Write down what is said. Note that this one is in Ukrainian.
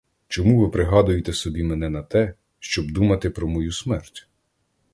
Чому ви пригадуєте собі мене на те, щоб думати про мою смерть?